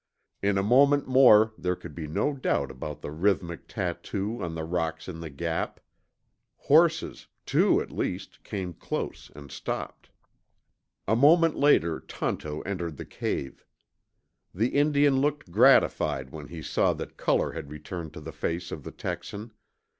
In a moment more there could be no doubt about the rhythmic tattoo on the rocks in the Gap. Horses, two at least, came close and stopped. A moment later Tonto entered the cave. The Indian looked gratified when he saw that color had returned to the face of the Texan.